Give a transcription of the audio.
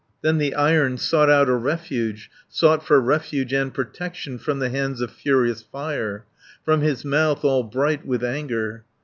"Then the Iron sought out a refuge, Sought for refuge and protection From the hands of furious Fire, From his mouth, all bright with anger.